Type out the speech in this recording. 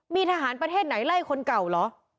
มีทหารประเทศไหนไล่คนเก่าเหรอ